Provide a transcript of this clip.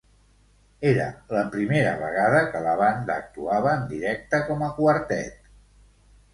Era la primera vegada que la banda actuava en directe com a quartet.